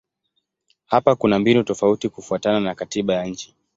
Hapa kuna mbinu tofauti kufuatana na katiba ya nchi.